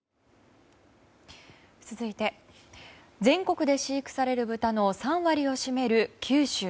続いて全国で飼育される豚の３割を占める九州。